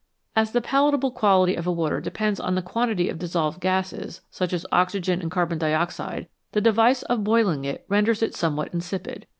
As the palatable quality of a water depends on the quantity of dissolved gases, such as oxygen and carbon dioxide, the device of boiling it renders it some what insipid.